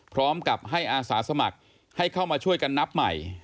พร้อมกับให้อาสาสมัครให้เข้ามาช่วยกันนับใหม่